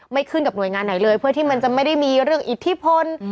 ขึ้นกับหน่วยงานไหนเลยเพื่อที่มันจะไม่ได้มีเรื่องอิทธิพล